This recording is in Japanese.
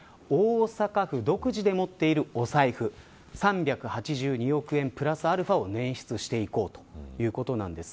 大阪府独自で持っているお財布３８２億円プラスαを捻出していこうということです。